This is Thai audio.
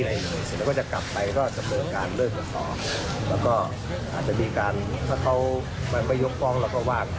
หนักใจในเรื่องของคดีไหมครับ